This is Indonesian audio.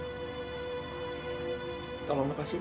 dewi tolong lepasin aku